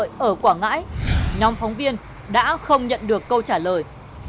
cả một tuần chờ đợi ở quảng ngãi nhóm phóng viên đã không nhận được câu trả lời